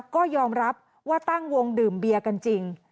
ก็ยอมรับว่าตั้งวงดื่มเบียร์กันจริง